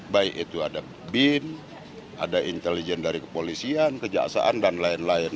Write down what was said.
baik itu ada bin ada intelijen dari kepolisian kejaksaan dan lain lain